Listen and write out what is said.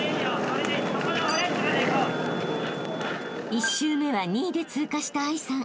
［１周目は２位で通過した藍さん］